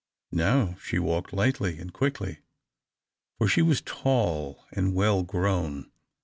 Now she walked lightly and quickly, for she was tall and well grown.